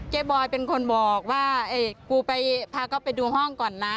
เจ๊บอยเป็นคนบอกว่ากูพาเขาไปดูห้องก่อนนะ